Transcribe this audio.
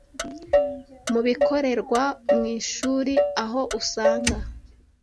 Mu bikorerwa mu ishuri aho usanga